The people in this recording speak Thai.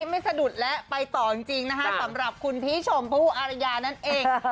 สะดุดแล้วไปต่อจริงนะคะสำหรับคุณพี่ชมพู่อารยานั่นเอง